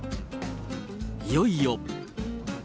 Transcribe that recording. いよいよ。